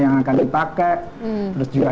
yang akan dipakai terus juga